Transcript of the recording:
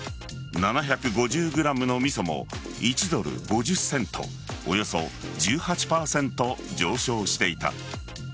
７５０ｇの味噌も１ドル５０セントおよそ１８％上昇していた。